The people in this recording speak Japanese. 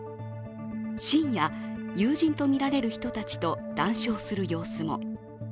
深夜、友人とみられる人たちと談笑する様子も。